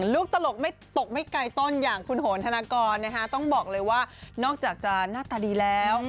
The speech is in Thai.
ตลกไม่ตกไม่ไกลต้นอย่างคุณโหนธนากรนะคะต้องบอกเลยว่านอกจากจะหน้าตาดีแล้ว